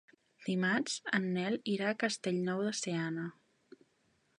Dimarts en Nel irà a Castellnou de Seana.